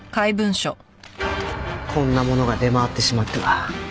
こんなものが出回ってしまっては。